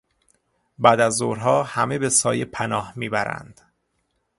بعدازظهرها همه به سایه پناه میبرند.